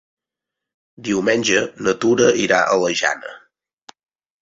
Diumenge na Tura irà a la Jana.